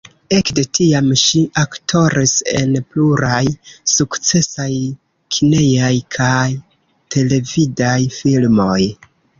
Ekde tiam ŝi aktoris en pluraj sukcesaj kinejaj kaj televidaj filmoj.